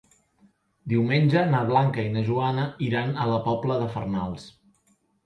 Diumenge na Blanca i na Joana iran a la Pobla de Farnals.